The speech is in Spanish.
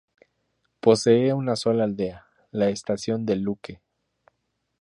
Posee una sola aldea: La Estación de Luque.